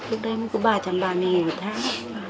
lúc đấy cũng có ba trăm ba mươi nghìn một tháng